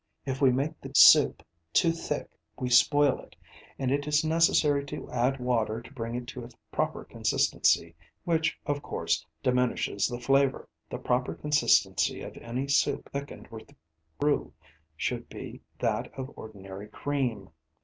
If we make the soup too thick we spoil it, and it is necessary to add water to bring it to its proper consistency, which, of course, diminishes the flavour. The proper consistency of any soup thickened with roux should be that of ordinary cream.